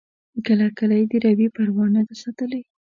کله کله یې د روي پروا نه ده ساتلې.